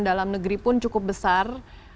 dalam negeri pun cukup besar